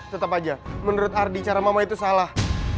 tetap aja menurut ardi cara mama itu salah